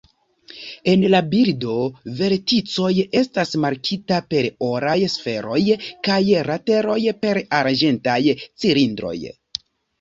En la bildo verticoj estas markita per oraj sferoj, kaj lateroj per arĝentaj cilindroj.